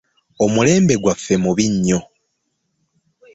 Omulembe gwaffe mubi nnyo.